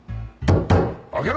開けろ！